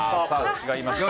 違いました。